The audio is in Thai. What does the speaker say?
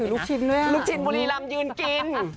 ลูกชินบุรีรำยืนกิน